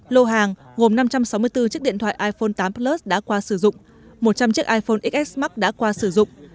lô hàng gồm năm trăm sáu mươi bốn chiếc điện thoại iphone tám plus đã qua sử dụng một trăm linh chiếc iphone xs max đã qua sử dụng